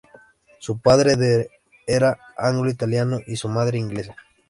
Su padre era anglo-italiano y su madre inglesa.